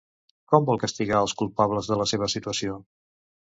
Com vol castigar als culpables de la seva situació?